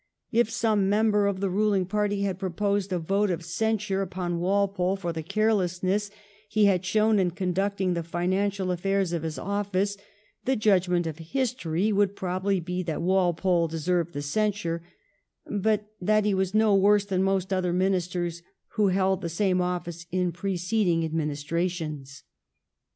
If some member of the ruling party had proposed a vote of censure upon Walpole for the carelessness he had shown in conducting the financial afiairs of his office, the judgment of history would probably be that Walpole deserved the censure, but that he was no worse than most other Ministers who had held the same office in preceding administrations.